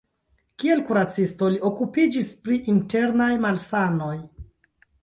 Kiel kuracisto li okupiĝis pri internaj malsanoj.